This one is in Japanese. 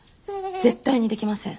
絶対にできません。